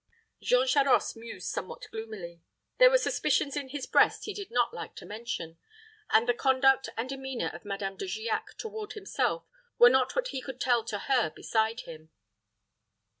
Jean Charost mused somewhat gloomily. There were suspicions in his breast he did not like to mention; and the conduct and demeanor of Madame De Giac toward himself were not what he could tell to her beside him.